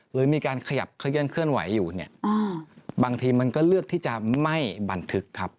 หรือมีการขยับเคลื่อนไหวอยู่เนี่ยบางทีมันก็เลือกที่จะไม่บันทึกครับ